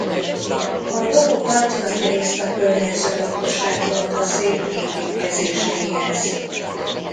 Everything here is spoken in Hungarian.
A romokat nagyrészt a környező lakosság hordta szét építkezéseihez.